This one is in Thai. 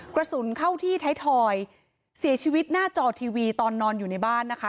กระสุนเข้าที่ไทยทอยเสียชีวิตหน้าจอทีวีตอนนอนอยู่ในบ้านนะคะ